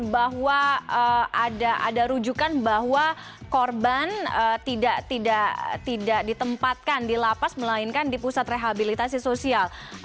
bahwa ada rujukan bahwa korban tidak ditempatkan di lapas melainkan di pusat rehabilitasi sosial